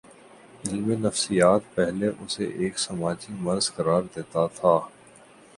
علم نفسیات پہلے اسے ایک سماجی مرض قرار دیتا تھا۔